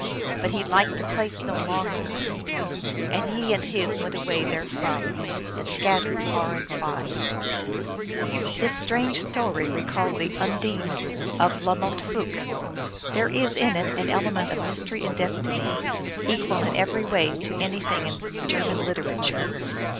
But he liked the place no longer, and he and his went away therefrom, and scattered far and wide. This strange story recalls the Undine of La Motte Fouqud. There is in it an element of mystery and destiny, equal in every way to anything in German 300 THE ALGONQUIN LEGENDS. literature.